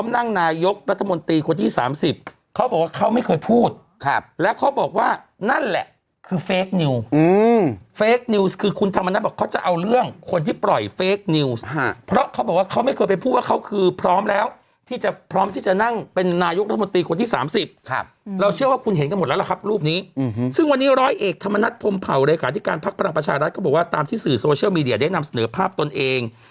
นั่งนายกรัฐมนตรีคนที่สามสิบเขาบอกว่าเขาไม่เคยพูดครับแล้วเขาบอกว่านั่นแหละคือเฟคนิวอืมเฟคนิวคือคุณธรรมนัสบอกเขาจะเอาเรื่องคนที่ปล่อยเฟคนิวฮะเพราะเขาบอกว่าเขาไม่เคยไปพูดว่าเขาคือพร้อมแล้วที่จะพร้อมที่จะนั่งเป็นนายกรัฐมนตรีคนที่สามสิบครับเราเชื่อว่าคุณเห็นกันหมดแล้วครับรูปน